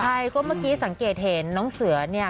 ใช่ก็เมื่อกี้สังเกตเห็นน้องเสือเนี่ย